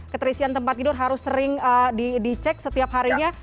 keterisian tempat tidur harus sering dicek setiap harinya